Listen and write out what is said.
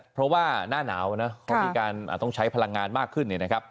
เพราะว่าหน้าหนาวนะเขามีการต้องใช้พลังงานมากขึ้นเนี่ยนะครับ